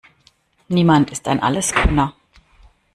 Niemand ist ein Alleskönner.